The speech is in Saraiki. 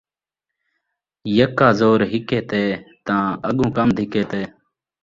یکا زور ہکے تے ، تاں اڳوں کم دھکے تے